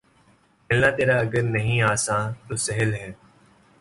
ملنا تیرا اگر نہیں آساں‘ تو سہل ہے